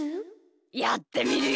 やってみるよ。